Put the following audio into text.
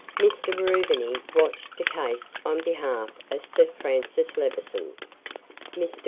Mr. Rubiny watched the case on behalf of Sir Francis Levison. Mr.